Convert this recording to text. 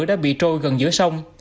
đã bị trôi gần giữa sông